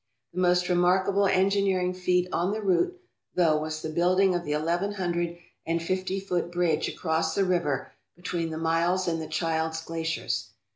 The most remarkable engineering feat on the route, though, was the building of the eleven hundred and fifty foot bridge across the river between the Miles and the Childs glaciers.